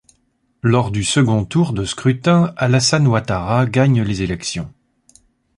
Lors du second tour de scrutin, Alassane Ouattara gagne les élections.